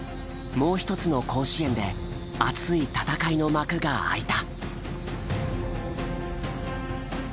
もう一つの甲子園で熱い戦いの幕が開いた。